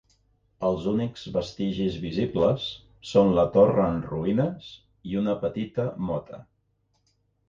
Els únics vestigis visibles són la torre en ruïnes i una petita mota.